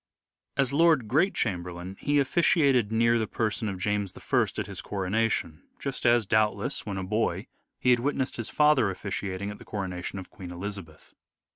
As Lord Great Chamberlain he officiated near the person of James I at his coronation, just as, doubtless, When a boy, he had witnessed his father officiating at the coronation of Queen Elizabeth.